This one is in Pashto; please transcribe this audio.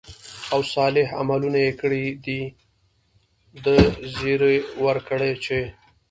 او صالح عملونه ئې كړي، د دې زېرى وركړه چې: